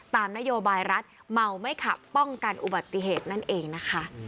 ตามนโยบายรัฐเมาไม่ขับป้องกันอุบัติเหตุนั่นเองนะคะ